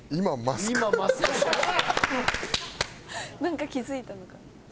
なんか気付いたのかな。